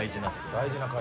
大事な回。